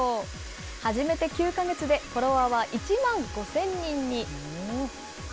始めて９か月で、フォロワーは１万５０００人に。